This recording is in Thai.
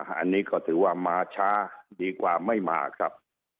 อันนี้ก็ถือว่ามาช้าดีกว่าไม่มาครับ